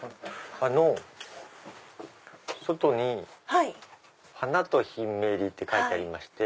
あの外に花とヒンメリって書いてありまして。